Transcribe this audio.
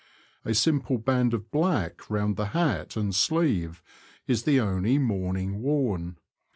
A simple band of black round the hat and sleeve is the only mourning worn.